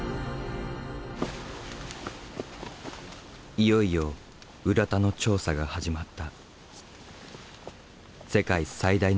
いよいよ浦田の調査が始まった。